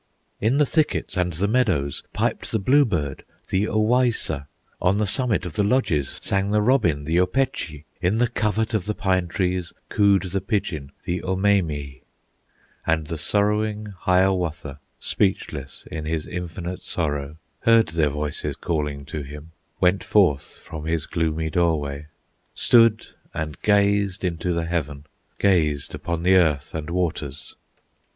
In the thickets and the meadows Piped the bluebird, the Owaissa, On the summit of the lodges Sang the robin, the Opechee, In the covert of the pine trees Cooed the pigeon, the Omemee; And the sorrowing Hiawatha, Speechless in his infinite sorrow, Heard their voices calling to him, Went forth from his gloomy doorway, Stood and gazed into the heaven, Gazed upon the earth and waters.